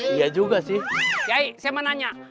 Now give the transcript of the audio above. dia juga sih kiai saya mau nanya